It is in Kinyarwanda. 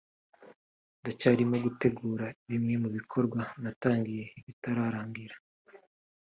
“Ndacyarimo gutegura bimwe mu bikorwa natangiye bitararangira